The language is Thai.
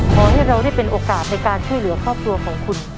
ขอให้เราได้เป็นโอกาสในการช่วยเหลือครอบครัวของคุณ